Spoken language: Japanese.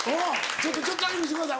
ちょっとだけ見せてください。